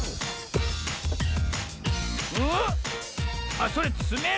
あっそれつめる